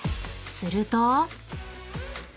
［すると］